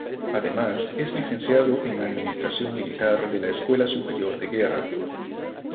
Además es licenciado en Administración Militar de la Escuela Superior de Guerra.